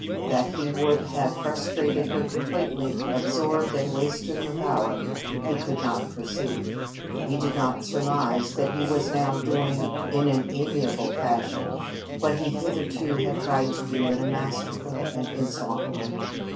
That he would have frustrated her completely, absorbed and wasted her power, he could not perceive. He did not surmise that he was now doing in an amiable fashion what he hitherto had tried to do in a masterful and insolent one.